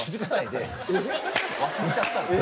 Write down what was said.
忘れちゃったんです。